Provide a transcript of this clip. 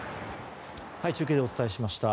中継でお伝えしました。